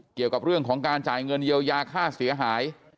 เกี่ยวกับเรื่องของการจ่ายเงินเยียวยาค่าเสียหาย